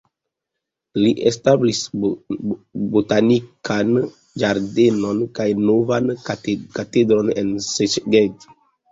Li establis botanikan ĝardenon kaj novan katedron en Szeged.